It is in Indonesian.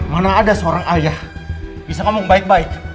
mana ada seorang ayah bisa ngomong baik baik